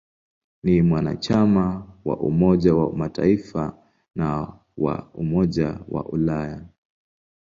Ni mwanachama wa Umoja wa Mataifa na wa Umoja wa Ulaya.